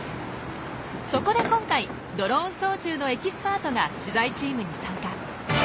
そこで今回ドローン操縦のエキスパートが取材チームに参加。